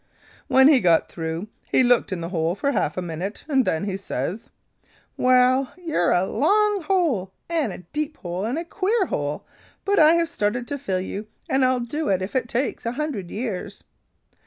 "When he got through, he looked in the hole for half a minute; then he says: 'Well, you're a long hole, and a deep hole, and a queer hole, but I have started to fill you, and I'll do it if it takes a hundred years.'